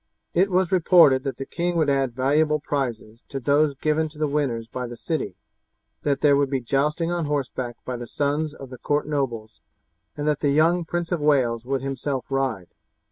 It was reported that the king would add valuable prizes to those given to the winners by the city; that there would be jousting on horseback by the sons of the court nobles, and that the young Prince of Wales would himself ride.